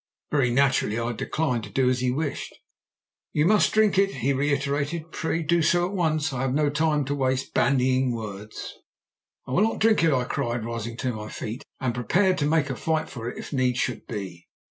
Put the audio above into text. Very naturally I declined to do as he wished. "'You must drink it!' he reiterated. 'Pray do so at once. I have no time to waste bandying words.' "'I will not drink it!' I cried, rising to my feet, and prepared to make a fight for it if need should be.